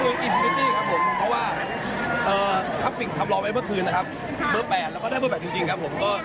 เบอร์๘แล้วก็ได้เบอร์๘จริงครับผมก็ถูกใจไหมครับ